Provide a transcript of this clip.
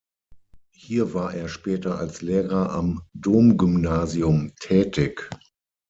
Hier war er später als Lehrer am Domgymnasium tätig.